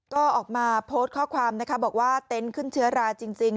ก็ออกมาโพสต์ข้อความนะคะบอกว่าเต็นต์ขึ้นเชื้อราจริง